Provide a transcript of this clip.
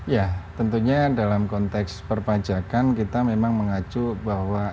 ya tentunya dalam konteks perpajakan kita memang mengacu bahwa